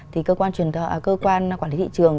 thì cơ quan quản lý thị trường